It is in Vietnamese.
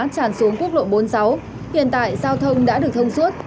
tràn xuống quốc lộ bốn mươi sáu hiện tại giao thông đã được thông suốt